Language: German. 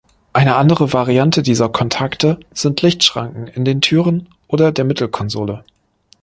Eine andere Variante dieser Kontakte sind Lichtschranken in den Türen oder der Mittelkonsole.